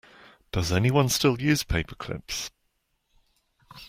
Does anyone still use paper clips?